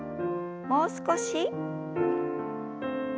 もう少し。